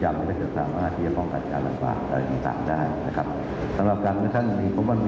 ไม่มีอาการแต่มีอาการน้อยให้อยู่ที่บ้าง